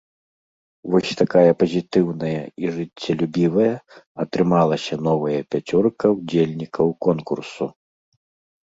Вось такая пазітыўная і жыццелюбівая атрымалася новая пяцёрка ўдзельнікаў конкурсу.